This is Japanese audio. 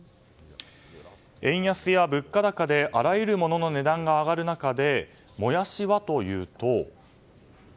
円安や物価高であらゆるものの値段が上がる中でもやしはというと。